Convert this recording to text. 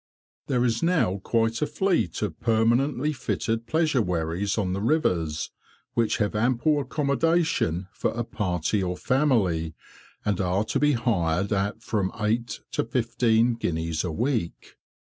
There is now quite a fleet of permanently fitted pleasure wherries on the rivers, which have ample accommodation for a party or family, and are to be hired at from 8 to 15 guineas a week.